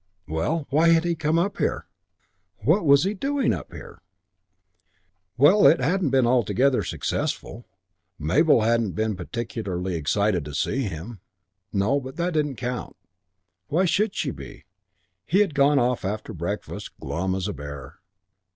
Well, why had he come up here? What was he doing up here? Well, it hadn't been altogether successful. Mabel hadn't been particularly excited to see him. No, but that didn't count. Why should she be? He had gone off after breakfast, glum as a bear.